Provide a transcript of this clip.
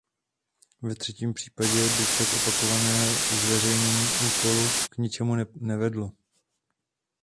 Ve třetím případě by však opakované zveřejnění úkolu k ničemu nevedlo.